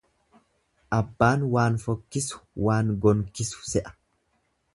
Abbaan waan fokkisu waan gonkisu se'a.